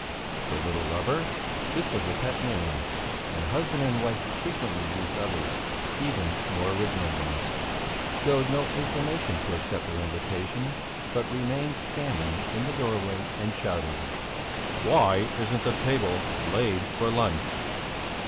The little lubber this was a pet name, and husband and wife frequently used others, even more original ones showed no inclination to accept her invitation, but remained standing in the doorway and shouted: "Why isn't the table laid for lunch?"